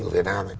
của việt nam